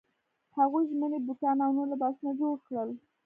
هغوی ژمني بوټان او نور لباسونه جوړ کړل.